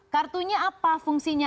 kartunya apa fungsinya